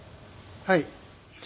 はい。